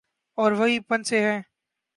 اور وہیں پھنسے ہیں۔